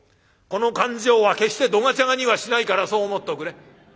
この勘定は決してどがちゃがにはしないからそう思っておくれ。